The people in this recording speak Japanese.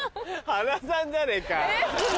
原さんじゃねえか。